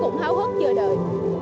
cũng hào hức giờ đời